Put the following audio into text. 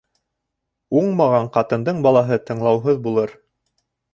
Уңмаған ҡатындың балаһы тыңлауһыҙ булыр.